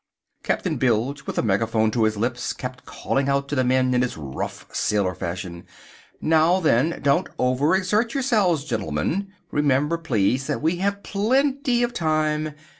Captain Bilge, with a megaphone to his lips, kept calling out to the men in his rough sailor fashion: "Now, then, don't over exert yourselves, gentlemen. Remember, please, that we have plenty of time.